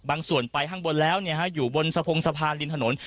ส่วนไปข้างบนแล้วอยู่บนสะพงสะพานริมถนน